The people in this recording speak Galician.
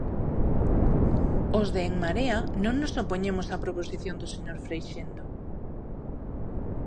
Os de En Marea non nos opoñemos á proposición do señor Freixendo.